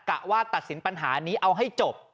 กะว่าตัดสินปัญหานี้เอาให้จบ